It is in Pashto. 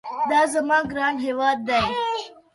دا زموږ ګران هېواد دي.